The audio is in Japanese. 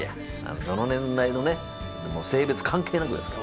どの年代も性別関係なくですよ。